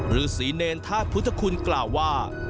ฤษีเนรธาตุพุทธคุณกล่าวว่า